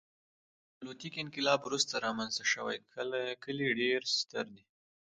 نیولیتیک انقلاب وروسته رامنځته شوي کلي ډېر ستر دي.